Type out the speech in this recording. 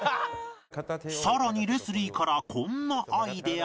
さらにレスリーからこんなアイデアが